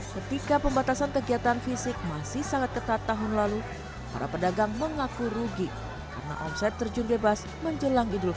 ketika pembatasan kegiatan fisik masih sangat ketat tahun lalu para pedagang mengaku rugi karena omset terjun bebas menjelang idul fitri